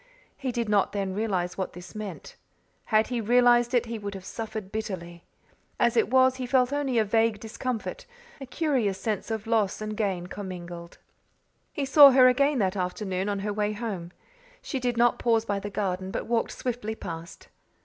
He did not then realize what this meant: had he realized it he would have suffered bitterly; as it was he felt only a vague discomfort a curious sense of loss and gain commingled. He saw her again that afternoon on her way home. She did not pause by the garden but walked swiftly past.